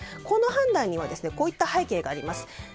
この判断にはこういった背景があります。